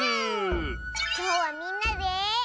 きょうはみんなで。